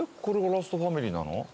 これがラストファミリーなの？